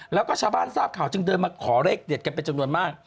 แล้วก็ชาวบ้านทราบข่าวจึงเดินมาขอเลขเด็ดกันเป็นจำนวนมาก